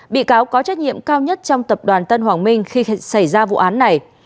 bị cáo có trách nhiệm cao nhất trong tập đoàn tân hoàng minh khi xảy ra vụ án này